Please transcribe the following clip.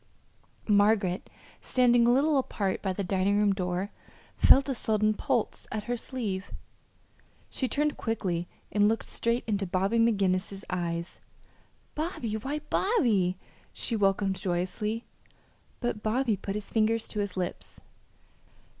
Margaret, standing a little apart by the dining room door, felt a sudden pull at her sleeve. She turned quickly and looked straight into Bobby McGinnis's eyes. "Bobby, why, Bobby!" she welcomed joyously; but Bobby put his finger to his lips.